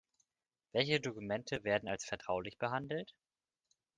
Welche Dokumente werden als vertraulich behandelt?